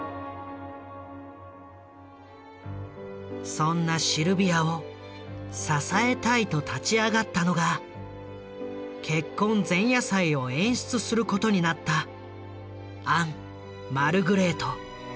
そんなシルビアを支えたいと立ち上がったのが結婚前夜祭を演出することになったアン・マルグレート。